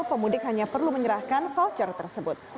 pemudik hanya perlu menyerahkan voucher tersebut